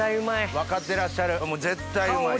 分かってらっしゃる絶対うまい。